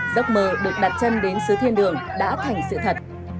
giấc mơ được đặt chân đến xứ thiên đường đã thành sự thật